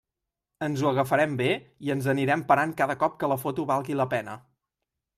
Ens ho agafarem bé i ens anirem parant cada cop que la foto valgui la pena.